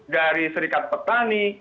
dari serikat petani